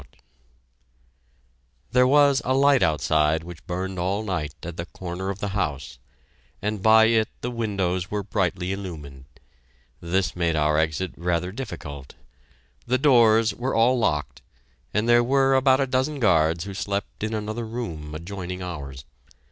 [Illustration: Two Pages from Private Simmons's Diary] There was a light outside which burned all night at the corner of the house, and by it the windows were brightly illumined. This made our exit rather difficult. The doors were all locked, and there were about a dozen guards who slept in another room adjoining ours.